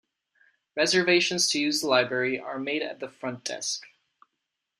Reservations to use the Library are made at the front desk.